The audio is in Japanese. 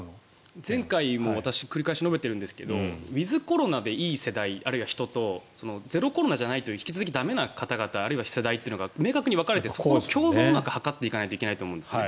前回も私繰り返し述べているんですけれどウィズコロナでいい世代あるいは人とゼロコロナでないと引き続き駄目な方が世代というのが明確に分かれてその共存をうまく図っていかなければいけないと思うんですね。